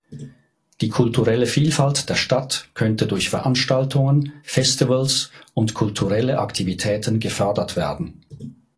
Die kulturelle Vielfalt der Stadt könnte durch Veranstaltungen, Festivals und kulturelle Aktivitäten gefördert werden.